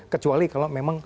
kecuali kalau memang